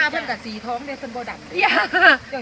สงสัยที่ทุกคน